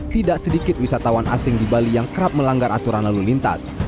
tidak sedikit wisatawan asing di bali yang kerap melanggar aturan lalu lintas